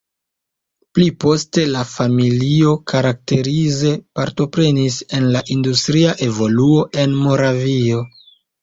Pli poste la familio karakterize partoprenis en la industria evoluo en Moravio.